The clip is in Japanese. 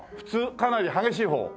かなり激しい方？